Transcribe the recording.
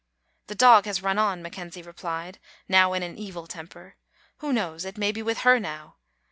" "The dog has run on," McKenzie replied, now in an evil temper. " Who knows, it may be with her now?